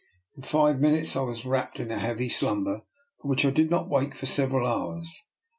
In five minutes I was wrapped in a heavy slumber, from which I did not wake for several hours.